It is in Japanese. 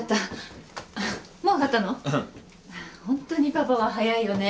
ホントにパパは早いよね。